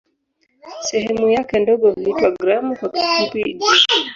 Sehemu yake ndogo huitwa "gramu" kwa kifupi "g".